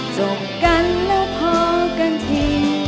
จบกันแล้วพอกันที